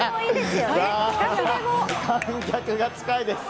観客が近いです。